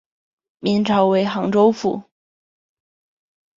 明朝为杭州府。